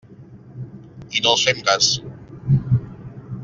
I no els fem cas.